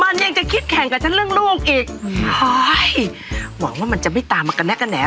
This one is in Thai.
มันยังจะคิดแข่งกับฉันเรื่องลูกอีกหวังว่ามันจะไม่ตามมากระแนะกระแหน่